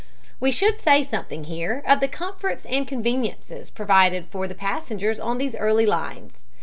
We should say something here of the comforts and conveniences provided for the passengers on these early lines.